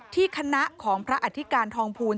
ที่คณะของพระอธิการทองภูล